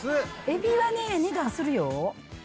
エビはね値段するよ。